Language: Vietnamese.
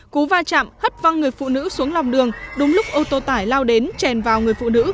cú va chạm hất văng người phụ nữ xuống lòng đường đúng lúc ô tô tải lao đến chèn vào người phụ nữ